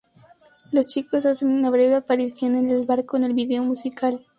Los chicos hacen una breve aparición en el barco en el vídeo musical.